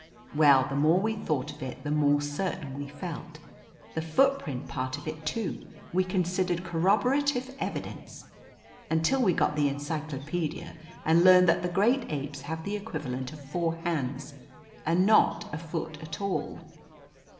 Well, the more we thought of it the more certain we felt. The footprint part of it, too, we considered corroborative evidence, until we got the encyclopedia and learned that the great apes have the equivalent of four hands, and not a foot at all.